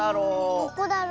どこだろ？